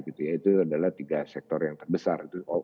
itu adalah tiga sektor yang terbesar